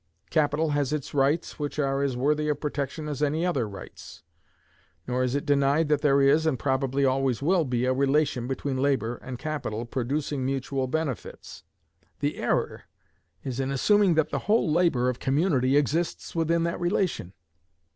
Capital has its rights, which are as worthy of protection as any other rights. Nor is it denied that there is, and probably always will be, a relation between labor and capital, producing mutual benefits. The error is in assuming that the whole labor of community exists within that relation.